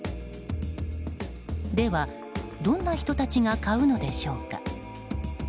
では、どんな人たちが買うのでしょうか。